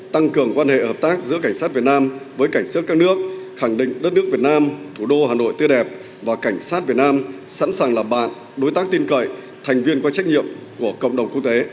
tăng cường quan hệ hợp tác giữa cảnh sát việt nam với cảnh sát các nước khẳng định đất nước việt nam thủ đô hà nội tươi đẹp và cảnh sát việt nam sẵn sàng làm bạn đối tác tin cậy thành viên có trách nhiệm của cộng đồng quốc tế